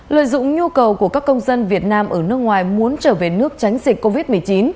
lợi dụng nhu cầu của các công dân việt nam ở nước ngoài muốn trở về nước tránh dịch covid một mươi chín